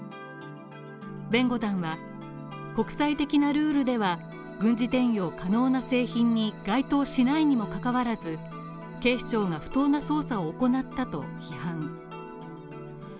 弁護団は国際的なルールでは、軍事転用可能な製品に該当しないにもかかわらず、警視庁が不当な捜査を行ったと批判。